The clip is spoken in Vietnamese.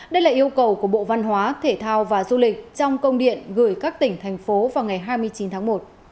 đây là yêu cầu của bộ văn hóa thể thao và du lịch trong công điện gửi các tỉnh thành phố vào ngày hai mươi chín tháng một